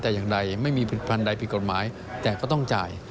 แต่อย่างใดไม่มีผลิตภัณฑ์ใดผิดกฎหมายแต่ก็ต้องจ่าย